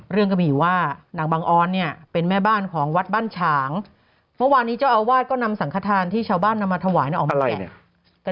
ก็มีอยู่ว่านางบังออนเนี่ยเป็นแม่บ้านของวัดบ้านฉางเมื่อวานนี้เจ้าอาวาสก็นำสังขทานที่ชาวบ้านนำมาถวายออกมาแกะ